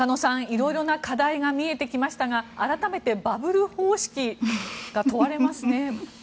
色々な課題が見えてきましたが改めて、バブル方式が問われますね。